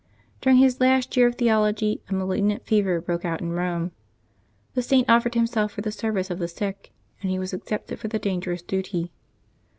During his last year of theology^ a malignant fever broke out in Eome; the Saint offered himself for the service of the sick, and he was accepted for the dangerous duty.